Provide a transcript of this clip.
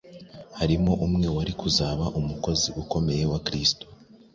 harimo umwe wari kuzaba umukozi ukomeye wa Kristo